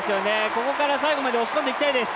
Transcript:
ここから最後まで押し込んでいきたいです。